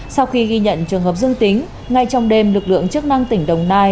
sau khi ghi nhận trường hợp dương tính ngay trong đêm lực lượng chức năng tỉnh đồng nai